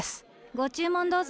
ご注文どうぞ。